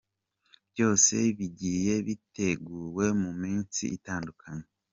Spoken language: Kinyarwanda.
Byose bigiye biteguwe mu minsi itandukanye.